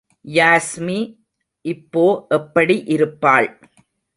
யாஸ்மி இப்பொ எப்படி இருப்பாள்.